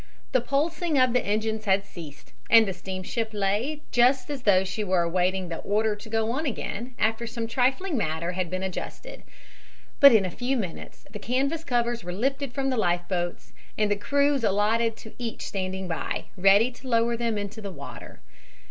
The pulsing of the engines had ceased, and the steamship lay just as though she were awaiting the order to go on again after some trifling matter had been adjusted. But in a few minutes the canvas covers were lifted from the life boats and the crews allotted to each standing by, ready to lower them to the water.